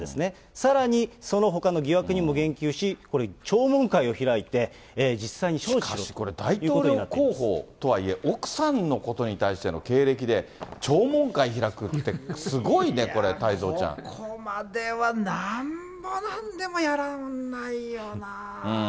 さらにそのほかの疑惑にも言及し、これ、聴聞会を開いて、しかしこれ、大統領候補とはいえ、奥さんのことに対しての経歴で、聴聞会開くって、すごいねこれ、ここまでは、なんぼなんでもやらないよなぁ。